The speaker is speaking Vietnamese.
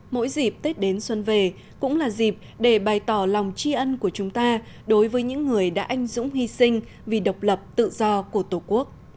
mỗi dịp tết đến xuân về cũng là dịp để bày tỏ lòng tri ân của chúng ta đối với những người đã anh dũng hy sinh vì độc lập tự do của tổ quốc